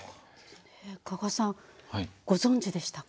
加賀さんご存じでしたか？